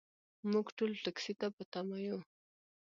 موږ ټول ټکسي ته په تمه یو .